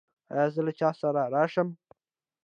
ایا زه له چا سره راشم؟